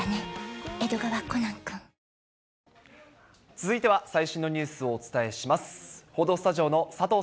続いては最新のニュースをお伝えします。